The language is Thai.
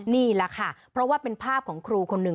นี่แหละค่ะเพราะว่าเป็นภาพของครูคนหนึ่ง